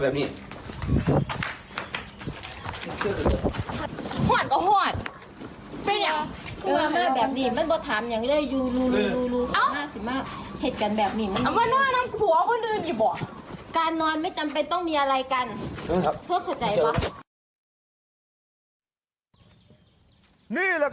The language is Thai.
การนอนไม่จำเป็นต้องมีอะไรกัน